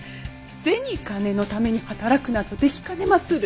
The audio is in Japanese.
銭金のために働くなどできかねまする。